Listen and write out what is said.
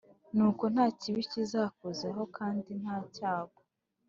Nuko nta kibi kizakuzaho Kandi nta cyago